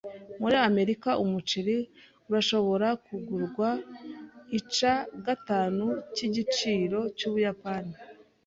Muri Amerika, umuceri urashobora kugurwa ica gatanu c'igiciro c'Ubuyapani.